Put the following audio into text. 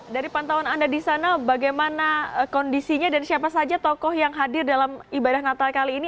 dari pantauan anda di sana bagaimana kondisinya dan siapa saja tokoh yang hadir dalam ibadah natal kali ini